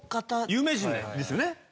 有名人ですよね？